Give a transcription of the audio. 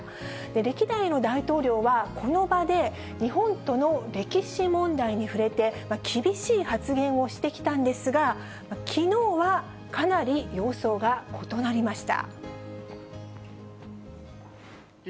歴代の大統領は、この場で日本との歴史問題に触れて、厳しい発言をしてきたんですが、きのうはかなり様相が異なりました。